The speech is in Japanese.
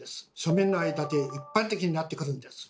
庶民の間で一般的になってくるんです。